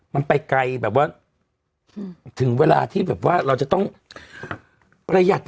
มันไปไกลแบบว่าถึงเวลาที่แบบว่าเราจะต้องประหยัด